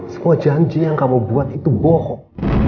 semua janji yang kamu buat itu bohong